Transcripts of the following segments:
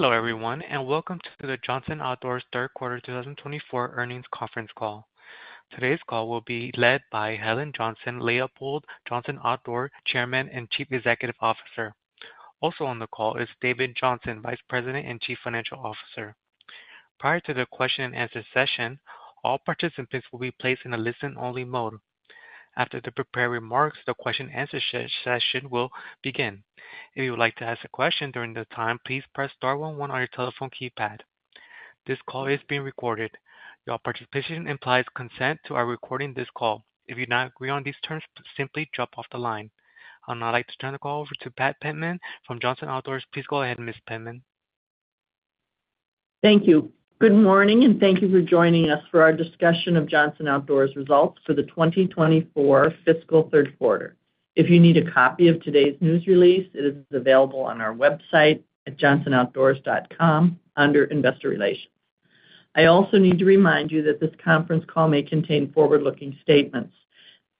Hello everyone, and welcome to the Johnson Outdoors Third Quarter 2024 Earnings Conference Call. Today's call will be led by Helen Johnson-Leipold, Johnson Outdoors Chairman and Chief Executive Officer. Also on the call is David Johnson, Vice President and Chief Financial Officer. Prior to the question and answer session, all participants will be placed in a listen-only mode. After the prepared remarks, the question and answer session will begin. If you would like to ask a question during this time, please press star 11 on your telephone keypad. This call is being recorded. Your participation implies consent to our recording this call. If you do not agree with these terms, simply drop off the line. I'll now like to turn the call over to Pat Penman from Johnson Outdoors. Please go ahead, Ms. Penman. Thank you. Good morning, and thank you for joining us for our discussion of Johnson Outdoors results for the 2024 fiscal third quarter. If you need a copy of today's news release, it is available on our website at JohnsonOutdoors.com under Investor Relations. I also need to remind you that this conference call may contain forward-looking statements.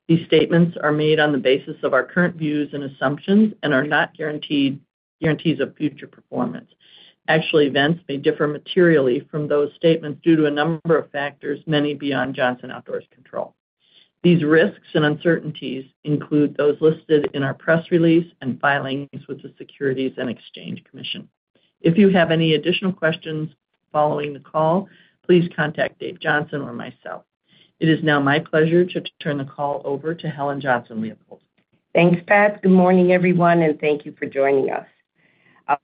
These statements are made on the basis of our current views and assumptions and are not guarantees of future performance. Actual events may differ materially from those statements due to a number of factors, many beyond Johnson Outdoors' control. These risks and uncertainties include those listed in our press release and filings with the Securities and Exchange Commission. If you have any additional questions following the call, please contact Dave Johnson or myself. It is now my pleasure to turn the call over to Helen Johnson-Leipold. Thanks, Pat. Good morning, everyone, and thank you for joining us.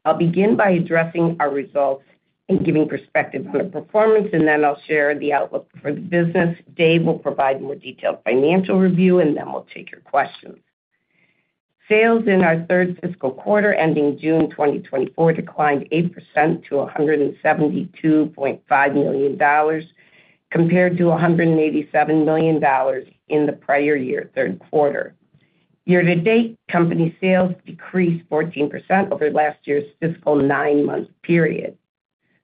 I'll begin by addressing our results and giving perspective on our performance, and then I'll share the outlook for the business. Dave will provide more detailed financial review, and then we'll take your questions. Sales in our third fiscal quarter, ending June 2024, declined 8% to $172.5 million, compared to $187 million in the prior year third quarter. Year to date, company sales decreased 14% over last year's fiscal nine-month period.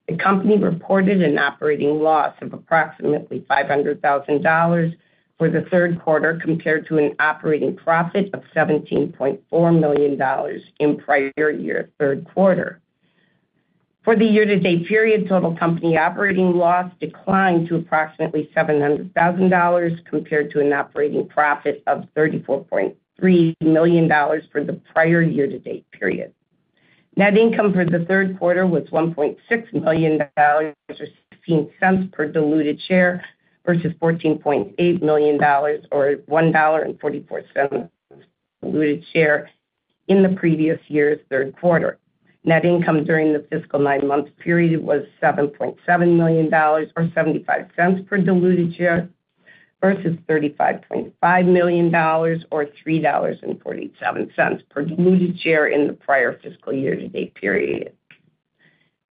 The company reported an operating loss of approximately $500,000 for the third quarter, compared to an operating profit of $17.4 million in prior year third quarter. For the year-to-date period, total company operating loss declined to approximately $700,000, compared to an operating profit of $34.3 million for the prior year-to-date period. Net income for the third quarter was $1.6 million, or $0.16 per diluted share, versus $14.8 million, or $1.44 diluted share in the previous year's third quarter. Net income during the fiscal nine-month period was $7.7 million, or $0.75 per diluted share, versus $35.5 million, or $3.47 per diluted share in the prior fiscal year-to-date period.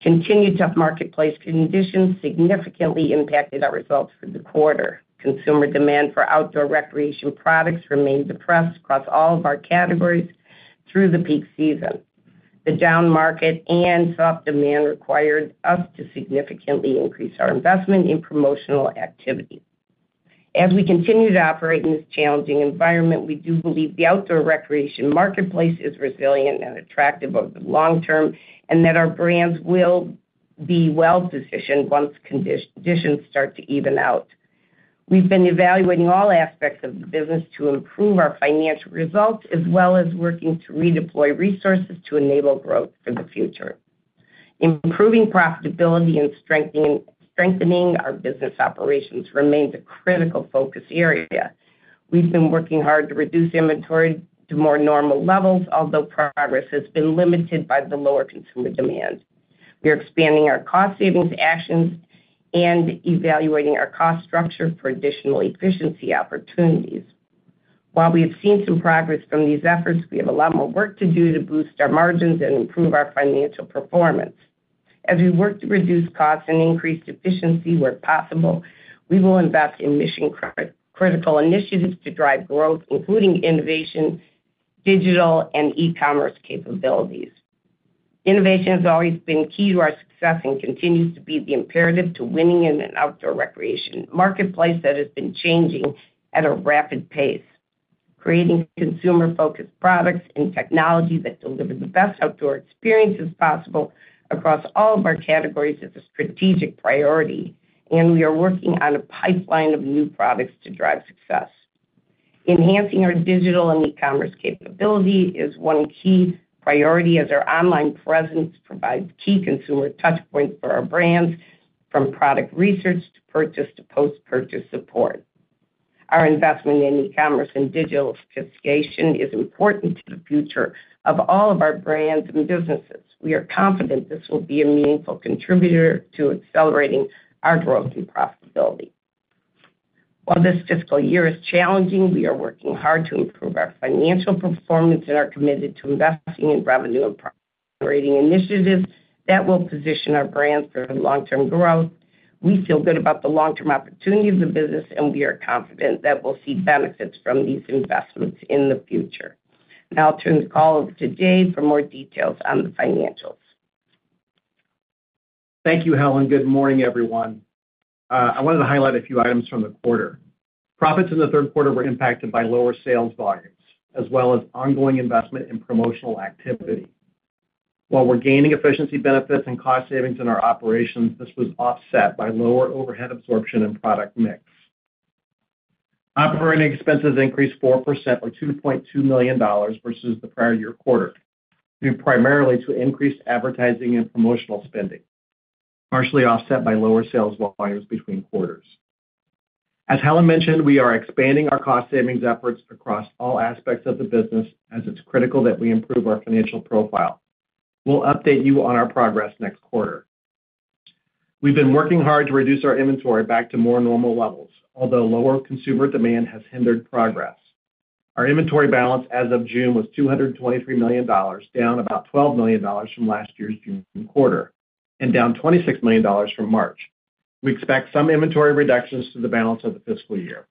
Continued tough marketplace conditions significantly impacted our results for the quarter. Consumer demand for outdoor recreation products remained depressed across all of our categories through the peak season. The down market and soft demand required us to significantly increase our investment in promotional activity. As we continue to operate in this challenging environment, we do believe the outdoor recreation marketplace is resilient and attractive over the long term, and that our brands will be well-positioned once conditions start to even out. We've been evaluating all aspects of the business to improve our financial results, as well as working to redeploy resources to enable growth for the future. Improving profitability and strengthening our business operations remains a critical focus area. We've been working hard to reduce inventory to more normal levels, although progress has been limited by the lower consumer demand. We are expanding our cost-savings actions and evaluating our cost structure for additional efficiency opportunities. While we have seen some progress from these efforts, we have a lot more work to do to boost our margins and improve our financial performance. As we work to reduce costs and increase efficiency where possible, we will invest in mission-critical initiatives to drive growth, including innovation, digital, and e-commerce capabilities. Innovation has always been key to our success and continues to be the imperative to winning in an outdoor recreation marketplace that has been changing at a rapid pace. Creating consumer-focused products and technology that deliver the best outdoor experience as possible across all of our categories is a strategic priority, and we are working on a pipeline of new products to drive success. Enhancing our digital and e-commerce capability is one key priority as our online presence provides key consumer touchpoints for our brands, from product research to purchase to post-purchase support. Our investment in e-commerce and digital sophistication is important to the future of all of our brands and businesses. We are confident this will be a meaningful contributor to accelerating our growth and profitability. While this fiscal year is challenging, we are working hard to improve our financial performance and are committed to investing in revenue and operating initiatives that will position our brands for long-term growth. We feel good about the long-term opportunity of the business, and we are confident that we'll see benefits from these investments in the future. Now I'll turn the call over to Dave for more details on the financials. Thank you, Helen. Good morning, everyone. I wanted to highlight a few items from the quarter. Profits in the third quarter were impacted by lower sales volumes, as well as ongoing investment and promotional activity. While we're gaining efficiency benefits and cost savings in our operations, this was offset by lower overhead absorption and product mix. Operating expenses increased 4%, or $2.2 million versus the prior year quarter, due primarily to increased advertising and promotional spending, partially offset by lower sales volumes between quarters. As Helen mentioned, we are expanding our cost savings efforts across all aspects of the business, as it's critical that we improve our financial profile. We'll update you on our progress next quarter. We've been working hard to reduce our inventory back to more normal levels, although lower consumer demand has hindered progress. Our inventory balance as of June was $223 million, down about $12 million from last year's June quarter, and down $26 million from March. We expect some inventory reductions to the balance of the fiscal year.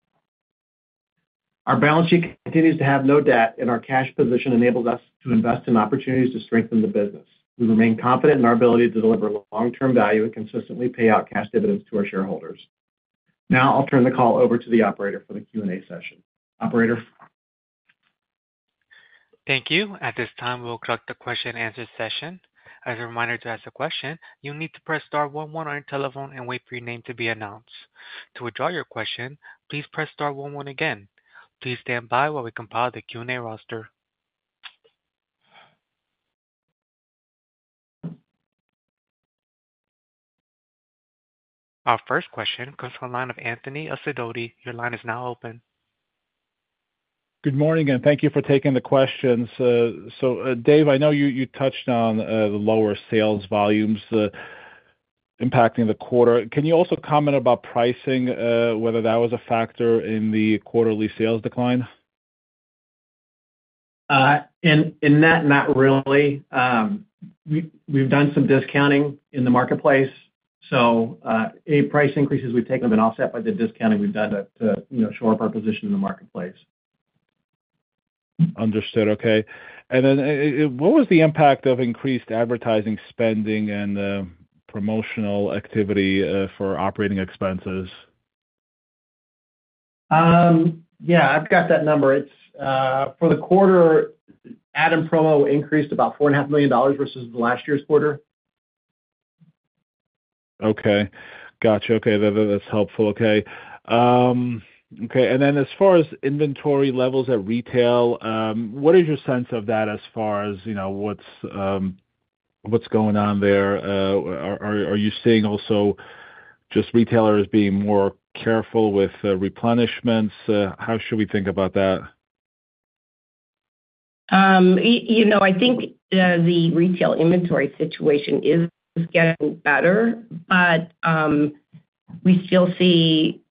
Our balance sheet continues to have no debt, and our cash position enables us to invest in opportunities to strengthen the business. We remain confident in our ability to deliver long-term value and consistently pay out cash dividends to our shareholders. Now I'll turn the call over to the operator for the Q&A session. Operator. Thank you. At this time, we'll conduct the question and answer session. As a reminder to ask a question, you'll need to press star 11 on your telephone and wait for your name to be announced. To withdraw your question, please press star 11 again. Please stand by while we compile the Q&A roster. Our first question comes from the line of Anthony Lebiedzinski. Your line is now open. Good morning, and thank you for taking the questions. So, Dave, I know you touched on the lower sales volumes impacting the quarter. Can you also comment about pricing, whether that was a factor in the quarterly sales decline? In that, not really. We've done some discounting in the marketplace. So, any price increases we've taken have been offset by the discounting we've done to shore up our position in the marketplace. Understood. Okay. What was the impact of increased advertising spending and promotional activity for operating expenses? Yeah, I've got that number. For the quarter, ad and promo increased about $4.5 million versus last year's quarter. Okay. Gotcha. Okay. That's helpful. Okay. Okay. And then as far as inventory levels at retail, what is your sense of that as far as what's going on there? Are you seeing also just retailers being more careful with replenishments? How should we think about that? I think the retail inventory situation is getting better, but we still see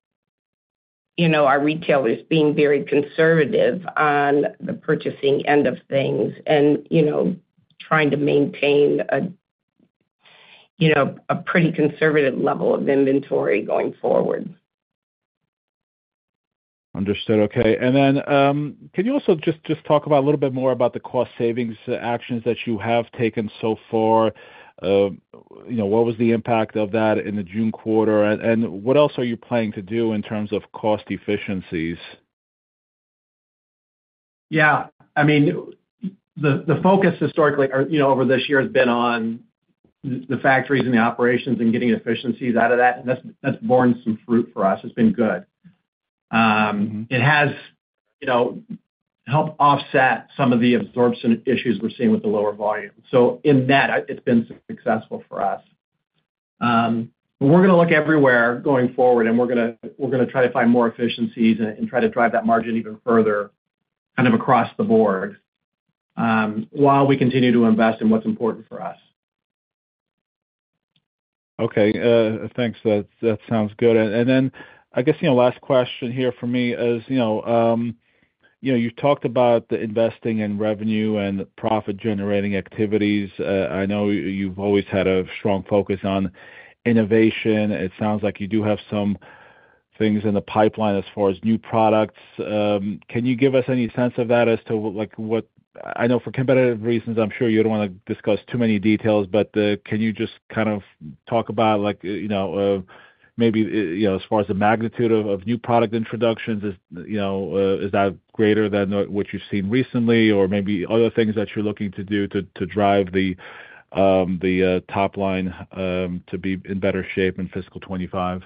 our retailers being very conservative on the purchasing end of things and trying to maintain a pretty conservative level of inventory going forward. Understood. Okay. Then can you also just talk a little bit more about the cost savings actions that you have taken so far? What was the impact of that in the June quarter? What else are you planning to do in terms of cost efficiencies? Yeah. I mean, the focus historically over this year has been on the factories and the operations and getting efficiencies out of that. And that's borne some fruit for us. It's been good. It has helped offset some of the absorption issues we're seeing with the lower volume. So in that, it's been successful for us. But we're going to look everywhere going forward, and we're going to try to find more efficiencies and try to drive that margin even further, kind of across the board, while we continue to invest in what's important for us. Okay. Thanks. That sounds good. And then I guess last question here for me is you've talked about the investing in revenue and profit-generating activities. I know you've always had a strong focus on innovation. It sounds like you do have some things in the pipeline as far as new products. Can you give us any sense of that as to what I know for competitive reasons, I'm sure you don't want to discuss too many details, but can you just kind of talk about maybe as far as the magnitude of new product introductions? Is that greater than what you've seen recently, or maybe other things that you're looking to do to drive the top line to be in better shape in fiscal 2025?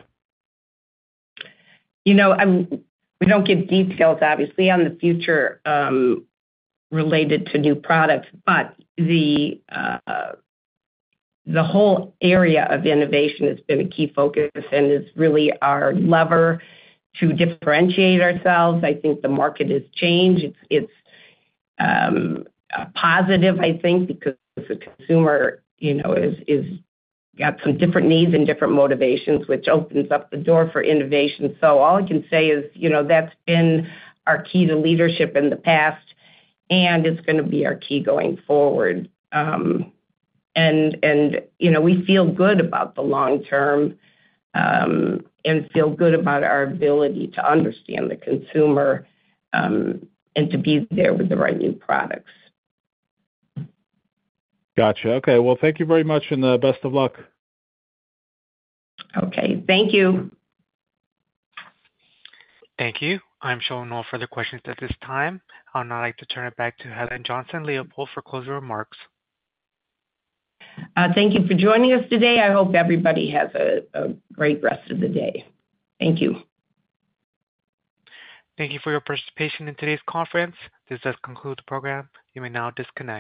We don't give details, obviously, on the future related to new products, but the whole area of innovation has been a key focus and is really our lever to differentiate ourselves. I think the market has changed. It's positive, I think, because the consumer has got some different needs and different motivations, which opens up the door for innovation. So all I can say is that's been our key to leadership in the past, and it's going to be our key going forward. And we feel good about the long term and feel good about our ability to understand the consumer and to be there with the right new products. Gotcha. Okay. Well, thank you very much, and best of luck. Okay. Thank you. Thank you. I'm showing no further questions at this time. I'll now like to turn it back to Helen Johnson-Leipold for closing remarks. Thank you for joining us today. I hope everybody has a great rest of the day. Thank you. Thank you for your participation in today's conference. This does conclude the program. You may now disconnect.